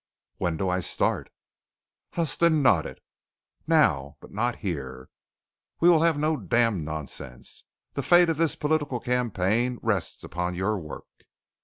"When do I start?" Huston nodded. "Now. But not here. We will have no damned nonsense. The fate of this political campaign rests upon your work."